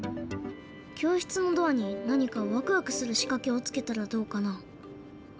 教室のドアに何かワクワクするしかけをつけたらどうかな？